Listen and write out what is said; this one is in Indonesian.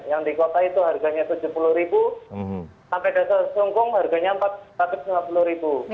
yang di kota itu harganya rp tujuh puluh sampai dasar sungkung harganya rp empat ratus lima puluh